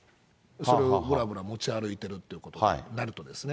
それをぶらぶら持ち歩いたりということになるとですね。